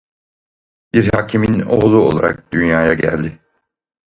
Bir hakimin oğlu olarak dünyaya geldi.